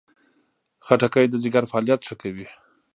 خټکی د ځیګر فعالیت ښه کوي.